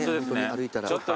歩いたら。